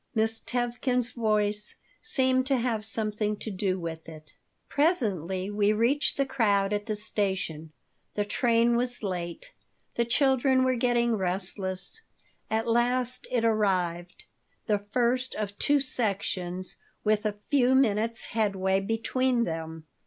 Miss Tevkin's voice seemed to have something to do with it Presently we reached the crowd at the station. The train was late. The children were getting restless. At last it arrived, the first of two sections, with a few minutes' headway between them.